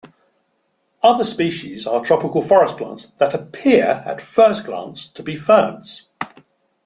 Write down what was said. Other species are tropical forest plants that appear at first glance to be ferns.